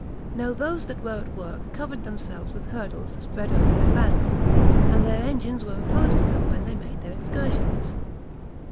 Now those that were at work covered themselves with hurdles spread over their banks, and their engines were opposed to them when they made their excursions.